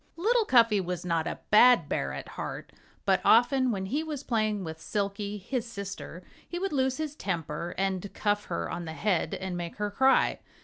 Little Cuffy was not a bad bear at heart. But often when he was playing with Silkie, his sister, he would lose his temper and cuff her on the head and make her cry.